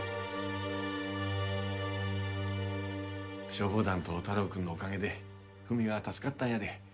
消防団と太郎くんのおかげでフミは助かったんやで。